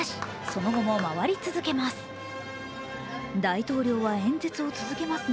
その後も回り続けます。